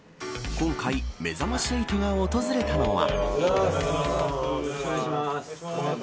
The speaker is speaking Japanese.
今回めざまし８が訪れたのは。